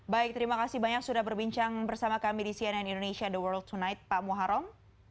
baik terima kasih banyak sudah berbincang bersama kami di cnn indonesia the world tonight pak muharrem